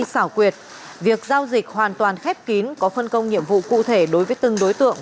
xảo quyệt việc giao dịch hoàn toàn khép kín có phân công nhiệm vụ cụ thể đối với từng đối tượng